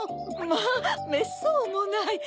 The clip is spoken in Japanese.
まぁめっそうもない！